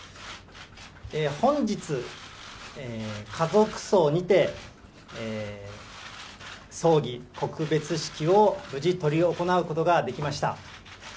本日、家族葬にて、葬儀、告別式を無事、執り行うことができました。